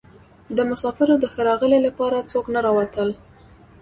د مسافرو د ښه راغلي لپاره څوک نه راوتل.